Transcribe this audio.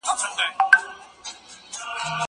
لاس مينځه!؟